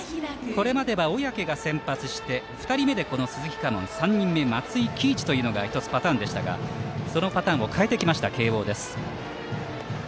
これまでは小宅が先発して２人目で鈴木佳門松井喜一というのがパターンでしたがそのパターンを変えてきた慶応です。